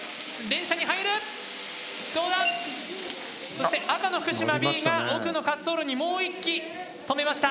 そして赤の福島Ｂが奥の滑走路にもう１機止めました。